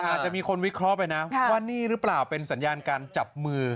อาจจะมีคนวิเคราะห์ไปนะว่านี่หรือเปล่าเป็นสัญญาณการจับมือ